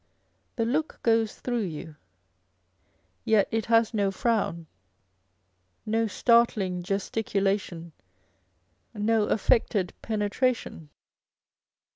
The look goes through you ; yet it has no frown, no startling gesticulation, no affected penetration.